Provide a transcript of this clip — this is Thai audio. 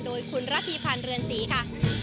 โดยคุณระพีพันธ์เรือนศรีค่ะ